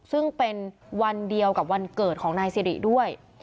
ซึ่งเป็นวันเดียวกับวันเกิดของนายสิริด้วย